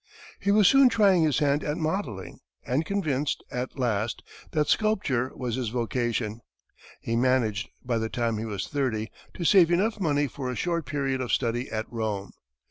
He was soon trying his hand at modelling, and convinced, at last, that sculpture was his vocation, he managed, by the time he was thirty, to save enough money for a short period of study at Rome.